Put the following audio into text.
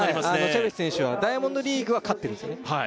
チェベト選手はダイヤモンドリーグは勝ってるんですね